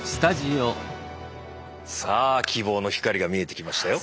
さあ希望の光が見えてきましたよ。